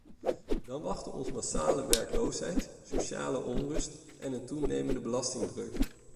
Dan wachten ons massawerkloosheid, sociale onrust en een toenemende belastingdruk.